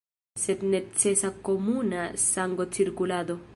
Sed necesas komuna sangocirkulado.